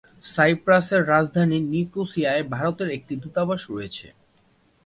সাইপ্রাসের রাজধানীনিকোসিয়ায় ভারতের একটি দূতাবাস রয়েছে।